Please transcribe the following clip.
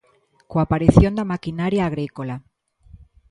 Coa aparición da maquinaria agrícola.